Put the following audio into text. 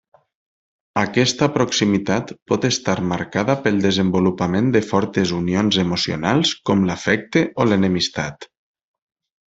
Aquesta proximitat pot estar marcada pel desenvolupament de fortes unions emocionals com l'afecte o l'enemistat.